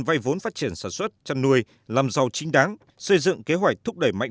vay vốn phát triển sản xuất chăn nuôi làm giàu chính đáng xây dựng kế hoạch thúc đẩy mạnh